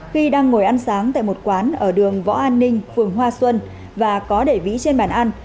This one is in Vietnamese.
khi đang ngồi ăn sáng tại một quán ở đường võ an ninh phường hoa xuân và có để vĩ trên bàn ăn